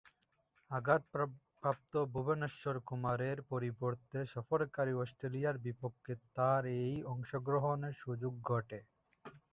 আঘাতপ্রাপ্ত ভুবনেশ্বর কুমারের পরিবর্তে সফরকারী অস্ট্রেলিয়ার বিপক্ষে তার এই অংশগ্রহণের সুযোগ ঘটে।